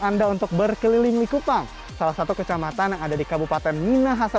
anda untuk berkeliling likupang salah satu kecamatan yang ada di kabupaten minahasa